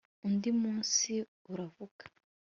undi munsi, uravuga